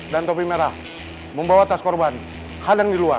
dan topi merah membawa tas korban kadang di luar